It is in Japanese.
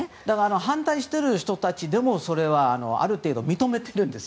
反対している人たちでもそれは、ある程度認めています。